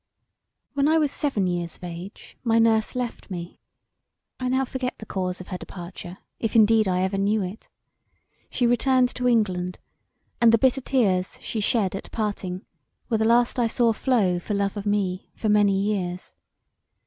When I was seven years of age my nurse left me. I now forget the cause of her departure if indeed I ever knew it. She returned to England, and the bitter tears she shed at parting were the last I saw flow for love of me for many years.